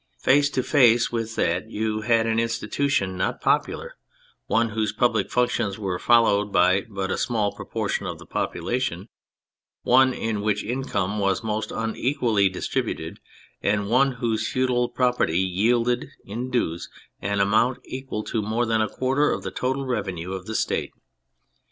Face to face with that you had an institution not popular, one whose public functions were followed by but a small proportion of the population, one in which income was most unequally distributed, and one whose feudal property yielded in dues an amount equal to more than a quarter of the total revenue of the State.